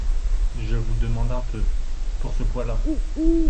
Je vous demande un peu ! pour ce poids-là !